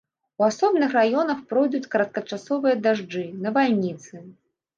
У асобных раёнах пройдуць кароткачасовыя дажджы, навальніцы.